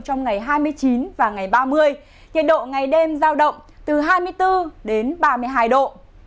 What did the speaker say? trong ngày hai mươi chín và ngày ba mươi nhiệt độ ngày đêm giao động từ hai mươi bốn đến ba mươi hai độ